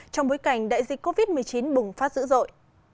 trong bối cảnh đại dịch covid một mươi chín bùng phát dữ dội